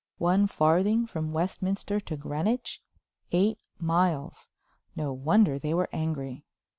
One farthing from Westminster to Greenwich! Eight miles. No wonder they were angry.